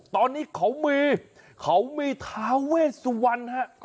ตอนนี้เขามีท้าเวสวรรค์